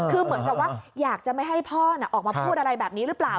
คือเหมือนกับว่าอยากจะไม่ให้พ่อออกมาพูดอะไรแบบนี้หรือเปล่า